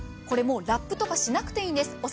これ、ラップとかしなくていいんです。